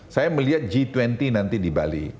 saya melihat g dua puluh nanti di bali